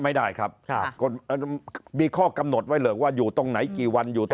ไม่ได้ครับมีข้อกำหนดไว้เลยว่าอยู่ตรงไหนกี่วัน